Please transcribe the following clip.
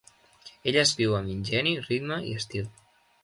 Ella escriu amb ingeni, ritme i estil.